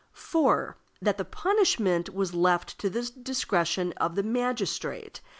(4.) That the punishment was left to the discretion of the magistrate. (5.)